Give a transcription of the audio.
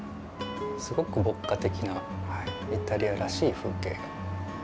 すごく牧歌的なイタリアらしい風景が。